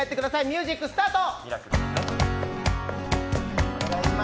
ミュージックスタート！